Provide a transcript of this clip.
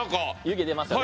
湯気出ますよね。